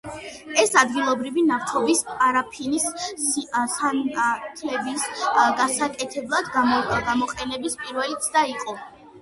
ეს ადგილობრივი ნავთობის პარაფინის სანთლების გასაკეთებლად გამოყენების პირველი ცდა იყო.